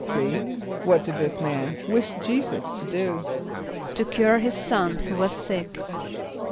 = What did this man wish J[=e]´[s+]us to do? =To cure his son, who was sick.